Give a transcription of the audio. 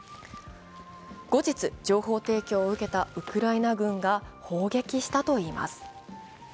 後日、情報提供を受けたウクライナ軍が砲撃したといいます。